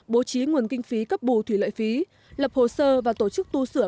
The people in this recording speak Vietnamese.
bố trí nguồn kinh phí cấp bù thủy lợi phí lập hồ sơ và tổ chức tu sửa